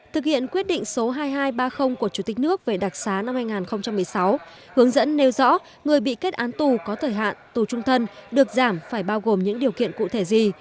thực hiện quyết định số hai nghìn hai trăm ba mươi của chủ tịch nước về đặc xá năm hai nghìn một mươi sáu hướng dẫn nêu rõ người bị kết án tù có thời hạn tù trung thân được giảm phải bao gồm những điều kiện cụ thể gì